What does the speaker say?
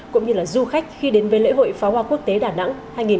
cũng như là du khách khi đến với lễ hội phá hoa quốc tế đà nẵng hai nghìn hai mươi ba